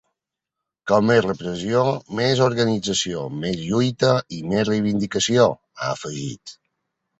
“Com més repressió, més organització, més lluita i més reivindicació”, ha afegit.